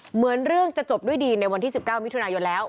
เหมือนเรื่องจะจบด้วยดีในวันที่๑๙มิถุนายนแล้ว